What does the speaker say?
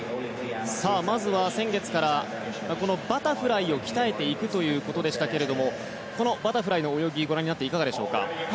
まずは、先月からバタフライを鍛えていくということでしたけれどもバタフライの泳ぎいかがでしょうか？